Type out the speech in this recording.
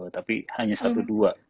tapi hanya satu dua